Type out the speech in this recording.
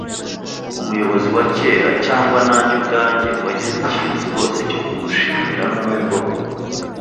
umuyobozi wa kera, cyangwa nanjye ubwanjye, wagize ikintu rwose cyo kumushimira; nubwo